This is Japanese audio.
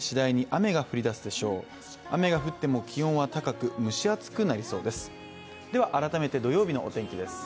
雨が降っても気温は高く蒸し暑くなりそうです。